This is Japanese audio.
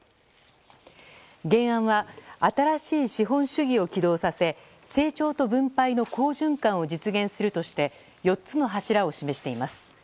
原案は新しい資本主義を起動させ成長と分配の好循環を実現するとして４つの柱を示しています。